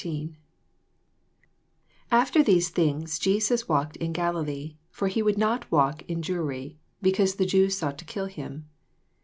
1 Afler these things Jesus walked in Galilee : for he would not walk in Jew ry, beeanse the Jews sought to kill him.